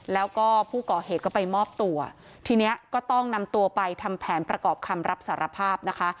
แล้วก็ผู้ก่อเหตุก็ไปมอบตัวทีนี้ก็ต้องนำตัวไปทำแผนประกอบคำรับสารภาพนะคะ